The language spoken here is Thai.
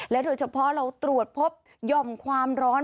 โดยเฉพาะเราตรวจพบหย่อมความร้อน